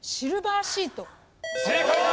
正解だ！